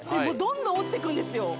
もうどんどん落ちてくんですよ